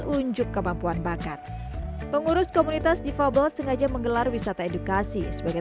unjuk kemampuan bakat pengurus komunitas difabel sengaja menggelar wisata edukasi sebagai